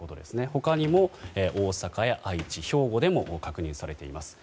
他にも大阪や愛知、兵庫でも確認されています。